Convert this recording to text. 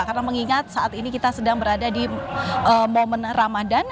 karena mengingat saat ini kita sedang berada di momen ramadan